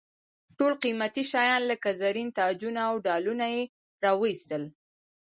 ټول قیمتي شیان لکه زرین تاجونه او ډالونه یې را واېستل.